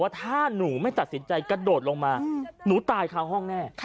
ถ้าหนูไม่ตัดสินใจกระโดดลงมาหนูตายคาห้องแน่